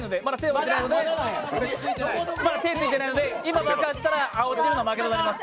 まだ手ついてなので、今爆発したら青チームの負けとなります。